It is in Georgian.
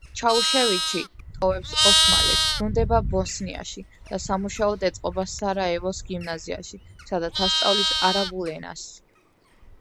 ჩაუშევიჩი ტოვებს ოსმალეთს, ბრუნდება ბოსნიაში და სამუშაოდ ეწყობა სარაევოს გიმნაზიაში, სადაც ასწავლის არაბულ ენას.